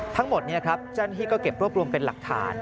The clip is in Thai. ทั้งหมดนี้ครับท่านที่ก็เก็บรวบรวมเป็นหลักฐาน